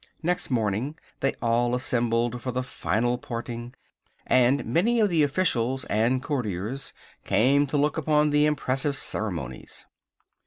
Next morning they all assembled for the final parting, and many of the officials and courtiers came to look upon the impressive ceremonies.